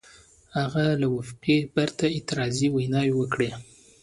هغه له وقفې پرته اعتراضي ویناوې وکړې.